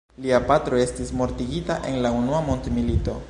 Lia patro estis mortigita en la unua mondmilito.